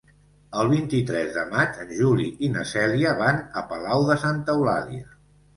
El vint-i-tres de maig en Juli i na Cèlia van a Palau de Santa Eulàlia.